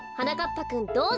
ぱくんどうぞ。